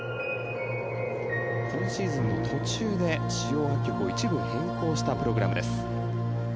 今シーズン途中で、使用楽曲を一部変更したプログラムです。